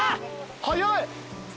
早い！